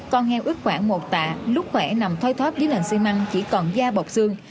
con heo ướt khoảng một tạ lúc khỏe nằm thoi thóp dưới nền xi măng chỉ còn da bọc xương